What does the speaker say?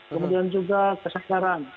kemudian juga kesenggaran